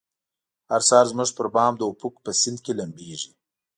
هر سهار زموږ پربام د افق په سیند کې لمبیږې